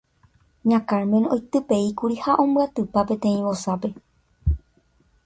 Ña Carmen oitypeíkuri ha ombyatypa peteĩ vosápe.